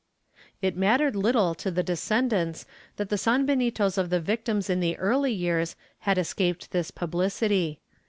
^ It mattered little to the descendants that the sanbenitos of the victims in the early years had escaped this publicity.